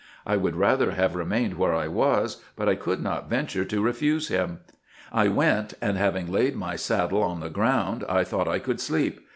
I would rather have remained where I was, but I could not venture to refuse him. I went, and, having laid my saddle on the ground, I thought I could sleep.